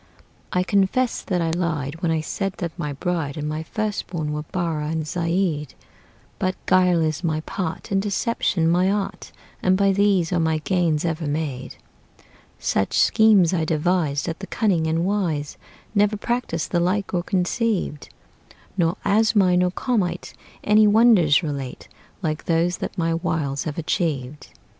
I confess that I lied When I said that my bride And my first born were Barrah and Zeid; But guile is my part, And deception my art, And by these are my gains ever made. Such schemes I devise That the cunning and wise Never practiced the like or conceived; Nor Asmai nor Komait Any wonders relate Like those that my wiles have achieved.